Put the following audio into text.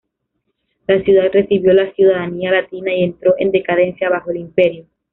La ciudad recibió la ciudadanía latina y entró en decadencia bajo el imperio.